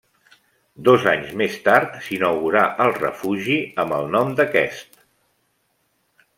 Dos anys més tard s'inaugurà el refugi amb el nom d'aquest.